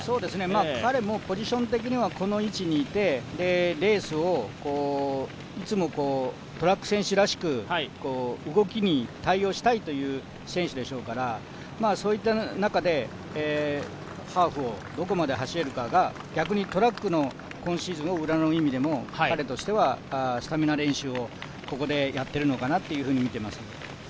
彼もポジション的にはこの位置にいてレースをいつもトラック選手らしく動きに対応したいという選手でしょうからそういった中で、ハーフをどこまで走れるかが逆にトラックの今シーズンを占う意味でも、彼としてはスタミナ練習をここでやっているのかなと見てます。